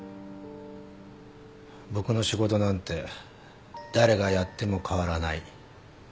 僕の仕事なんて誰がやっても変わらない。